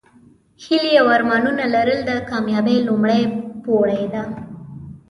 هیلې او ارمانونه لرل د کامیابۍ لومړۍ پوړۍ ده.